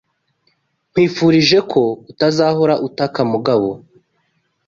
Nkwifurije ko utazahora utaka Mugabo.